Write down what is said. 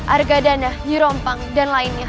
argadana nyerompang dan lainnya